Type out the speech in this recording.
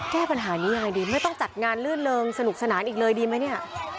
แก้ปัญหานี้ยังไงดีไม่ต้องจัดงานลื่นเริงสนุกสนานอีกเลยดีไหมเนี่ย